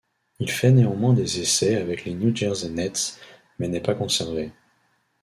Il fait néanmoins des essais avec les New Jersey Nets mais n'est pas conservé.